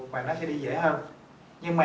và nó sẽ đi dễ hơn nhưng mà